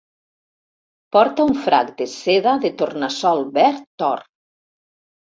Porta un frac de seda de tornassol verd or.